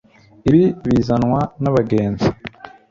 ibi bizanwa n'abagenzi